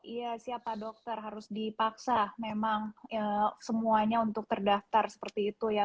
iya siapa dokter harus dipaksa memang semuanya untuk terdaftar seperti itu ya